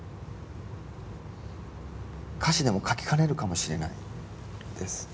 歌詞でも書きかねるかもしれないです。